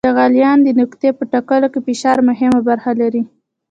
د غلیان د نقطې په ټاکلو کې فشار مهمه برخه لري.